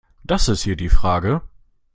Das ist hier die Frage.